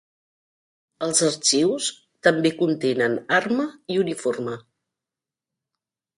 Els arxius també contenen arma i uniforme.